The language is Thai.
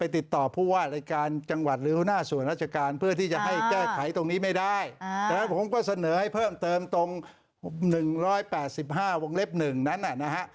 ตรงนี้ไม่ได้แต่ผมก็เสนอให้เพิ่มเติมตรง๑๘๕วงเล็บ๑นั้นน่ะนะฮะ